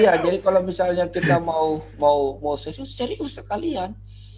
iya jadi kalau misalnya kita mau serius sekalian